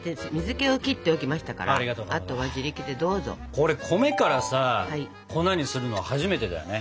これ米からさ粉にするの初めてだよね。